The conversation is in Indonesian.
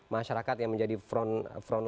masyarakat yang menjadi front